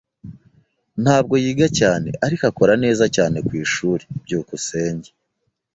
Ntabwo yiga cyane, ariko akora neza cyane kwishuri. byukusenge